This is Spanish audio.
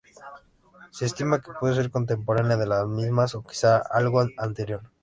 Se estima que puede ser contemporánea de las mismas, o quizá algo anterior.